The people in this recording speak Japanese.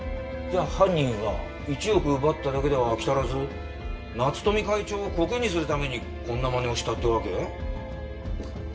じゃあ犯人は１億奪っただけでは飽き足らず夏富会長をこけにするためにこんなまねをしたってわけ？